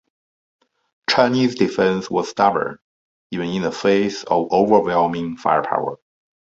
Chinese defense was stubborn even in the face of overwhelming firepower.